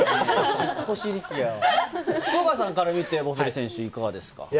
福岡さんから見て、ボフェリ選手いかがですか？